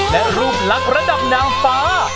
และรูปลักษณ์ระดับนางฟ้า